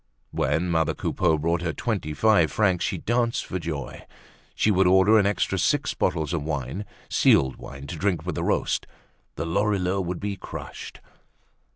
When mother Coupeau brought her twenty five francs, she danced for joy. She would order an extra six bottles of wine, sealed wine to drink with the roast. The Lorilleuxs would be crushed.